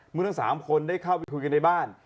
เมื่อทั้ง๓คนได้เข้าไปคุยกันในบ้าน